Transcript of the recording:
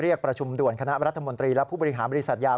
ประชุมด่วนคณะรัฐมนตรีและผู้บริหารบริษัทยา